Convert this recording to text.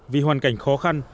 vì hoàn cảnh khó khăn